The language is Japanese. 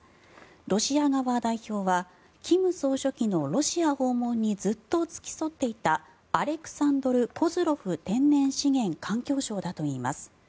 ロシア側代表は金総書記のロシア訪問にずっと付き添っていたアレクサンドル・コズロフ天然資源環境相だといいます。